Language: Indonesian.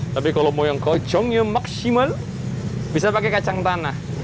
tapi kalau mau yang kocong ya maksimal bisa pakai kacang tanah